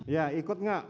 ya ikut enggak